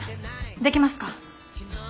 できますか？